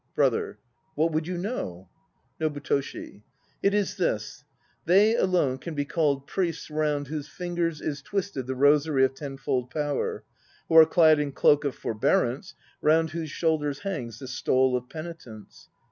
BROTHER. What would you know? NOBUTOSHI. It is this. They alone can be called priests round whose fingers is twisted the rosary of Tenfold Power, who are clad in cloak of Forbearance, round whose shoulders hangs the stole of Penitence.